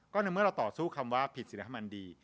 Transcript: ก็ในเมื่อเราต่อสู้คำว่าผิดศิลธรรมันดี